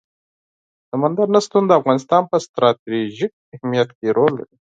سمندر نه شتون د افغانستان په ستراتیژیک اهمیت کې رول لري.